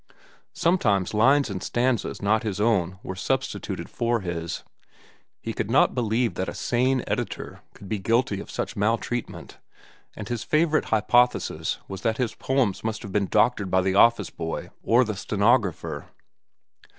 Sometimes lines and stanzas not his own were substituted for his. He could not believe that a sane editor could be guilty of such maltreatment, and his favorite hypothesis was that his poems must have been doctored by the office boy or the stenographer.